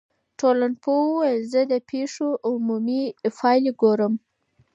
ټولنپوه وویل چي زه د پیښو عمومي پایلي ګورم.